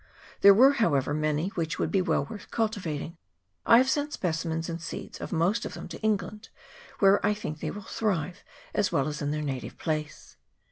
There were, however, many which would be well worth cultivating. I have sent specimens and seeds of most of them to England, where I think they will thrive as well as in their native place.